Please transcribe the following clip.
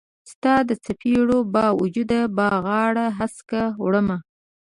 ستا د څیپړو با وجود به غاړه هسکه وړمه